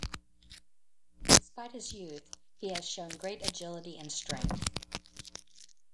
Despite his youth, he has shown great agility and strength.